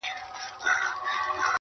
هم ښایسته هم په ځان غټ هم زورور دی!!